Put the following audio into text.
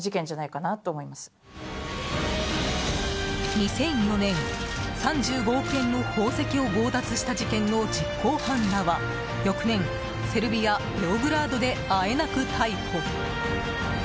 ２００４年、３５億円の宝石を強奪した事件の実行犯らは翌年、セルビア・ベオグラードであえなく逮捕。